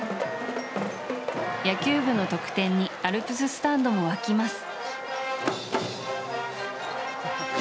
野球部の得点にアルプススタンドも沸きます。